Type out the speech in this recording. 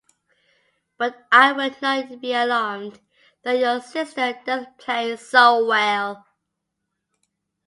But I will not be alarmed, though your sister does play so well.